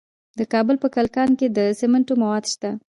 د کابل په کلکان کې د سمنټو مواد شته.